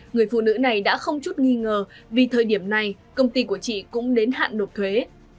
người phụ nữ này đã không chút nghi ngờ vì thời điểm này công ty của chị cũng đến hạn nộp thuế